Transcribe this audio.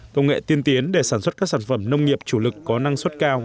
công nghệ tiên tiến để sản xuất các sản phẩm nông nghiệp chủ lực có năng suất cao